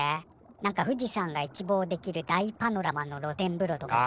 何か富士山が一望できる大パノラマの露天風呂とかさ。